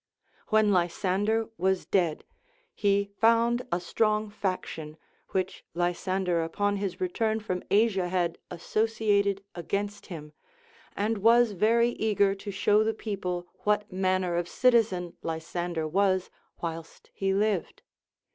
AVhen Lysander was dead, he found a strong faction, which Lysander upon his re turn from Asia had associated against him, and was very eager to show the people what manner of citizen Lysan der was whilst he lived.